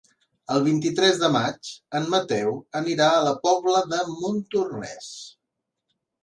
El vint-i-tres de maig en Mateu anirà a la Pobla de Montornès.